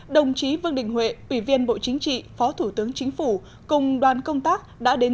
đồng chí vương đình huệ ủy viên bộ chính trị phó thủ tướng chính phủ cùng đoàn công tác đã đến